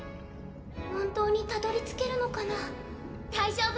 本当にたどり着けるのかな大丈夫！